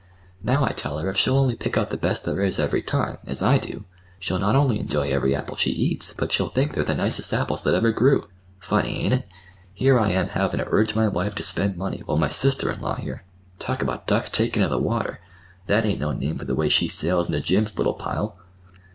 Now I tell her if she'll only pick out the best there is every time, as I do she'll not only enjoy every apple she eats, but she'll think they're the nicest apples that ever grew. Funny, ain't it? Here I am havin' to urge my wife to spend money, while my sister in law here—Talk about ducks takin' to the water! That ain't no name for the way she sails into Jim's little pile."